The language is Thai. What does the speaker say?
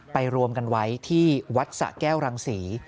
รวมกันไว้ที่วัดสะแก้วรังศรี